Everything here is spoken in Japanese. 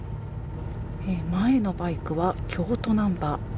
前のバイクは京都ナンバー。